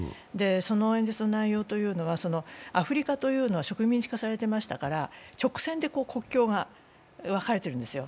その演説の内容というのはアフリカというのは植民地化されていましたから直線で国境が分かれてるんですよ。